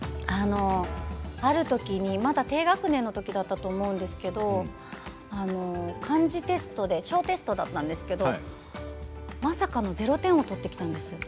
あるときに、まだ低学年のときだったと思うんですけど漢字テストで小テストだったんですけどまさかの０点を取ってきたんですよ。